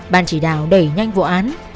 ban chỉ đạo đẩy nhanh vụ án